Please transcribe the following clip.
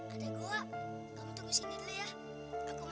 kamu tunggu sini dulu ya